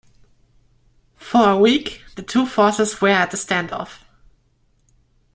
For a week the two forces were at a standoff.